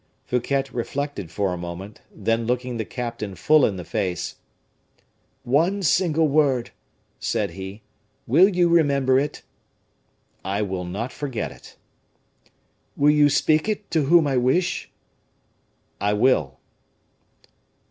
Fouquet reflected for a moment, then looking the captain full in the face, "One single word," said he; "will you remember it?" "I will not forget it." "Will you speak it to whom I wish?" "I will."